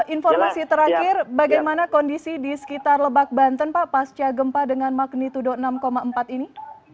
informasi terakhir bagaimana kondisi di sekitar lebak banten pak pasca gempa dengan magnitudo enam empat ini